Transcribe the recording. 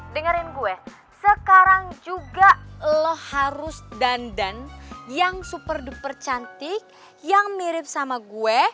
dengerin gue sekarang juga lo harus dandan yang super duper cantik yang mirip sama gue